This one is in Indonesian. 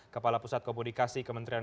kepala pusat komunikasi kementerian